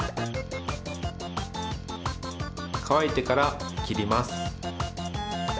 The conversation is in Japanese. かわいてからきります。